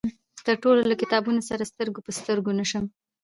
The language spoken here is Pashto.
تر څو له کتابونه سره سترګو په سترګو نشم.